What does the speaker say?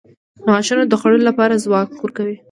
• غاښونه د خوړلو لپاره ځواک ورکوي.